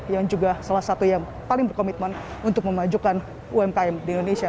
yang juga salah satu yang paling berkomitmen untuk memajukan umkm di indonesia